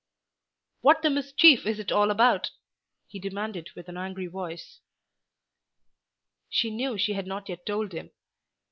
"What the mischief is it all about?" he demanded with an angry voice. She knew she had not as yet told him.